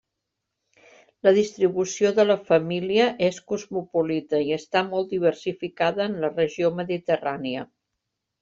La distribució de la família és cosmopolita i està molt diversificada en la regió mediterrània.